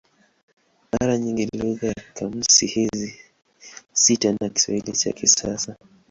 Mara nyingi lugha ya kamusi hizi si tena Kiswahili cha kisasa.